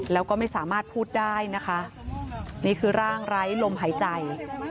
แล้วก็ไม่สามารถพูดได้นะคะนี่คือร่างไร้ลมหายใจ